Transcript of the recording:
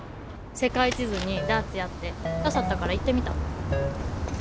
世界地図にダーツやって刺さったから行ってみた。